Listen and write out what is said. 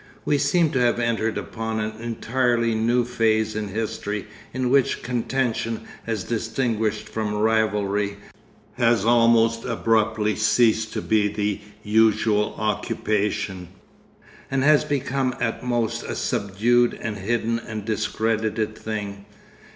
We seem to have entered upon an entirely new phase in history in which contention as distinguished from rivalry, has almost abruptly ceased to be the usual occupation, and has become at most a subdued and hidden and discredited thing.